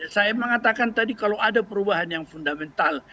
saya mengatakan tadi kalau ada perubahan yang fundamental